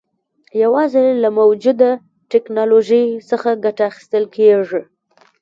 یوازې له موجوده ټکنالوژۍ څخه ګټه اخیستل کېږي.